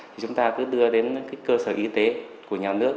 thì chúng ta cứ đưa đến cơ sở y tế của nhà nước